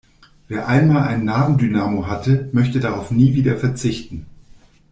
Wer einmal einen Nabendynamo hatte, möchte darauf nie wieder verzichten.